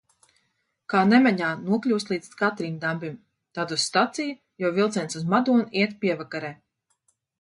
Kā nemaņā nokļūst līdz Katrīndambim, tad uz staciju, jo vilciens uz Madonu iet pievakarē.